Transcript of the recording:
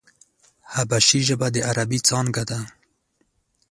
حبشي ژبه د عربي څانگه ده.